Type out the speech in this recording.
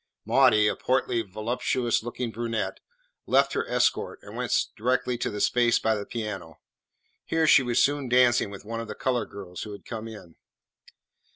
Maudie a portly, voluptuous looking brunette left her escort and went directly to the space by the piano. Here she was soon dancing with one of the coloured girls who had come in.